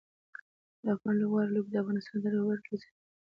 د افغان لوبغاړو لوبې د افغانستان د تاریخ برخه ګرځېدلي دي.